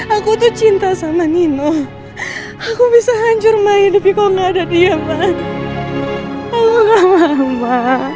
aku tuh cinta sama nino aku bisa hancur main tapi kau nggak ada dia banget aku